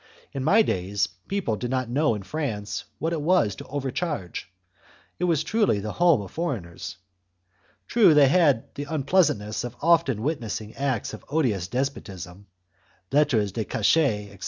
In my days, people did not know in France what it was to overcharge; it was truly the home of foreigners. True, they had the unpleasantness of often witnessing acts of odious despotism, 'lettres de cachet', etc.